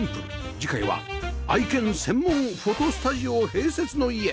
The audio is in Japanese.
次回は愛犬専門フォトスタジオ併設の家